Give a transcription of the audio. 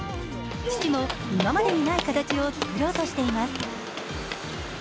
父も今までにない形を作ろうとしています。